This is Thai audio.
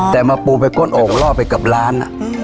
แต่มาปูไปก้นโอ่งล่อไปกับร้าน